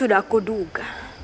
sudah aku duga